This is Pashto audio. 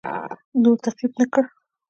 نور تعقیب نه کړ.